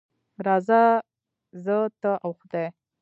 راځه زه، ته او خدای.